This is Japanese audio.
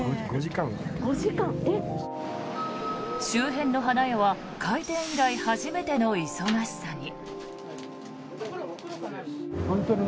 周辺の花屋は開店以来初めての忙しさに。